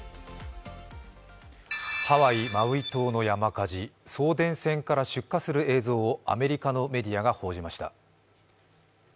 ハワイ・マウイ島の山火事送電線から出火する映像をアメリカのメディアが報じました。